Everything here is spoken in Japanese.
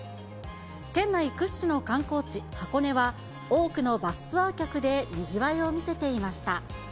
県内屈指の観光地、箱根は、多くのバスツアー客でにぎわいを見せていました。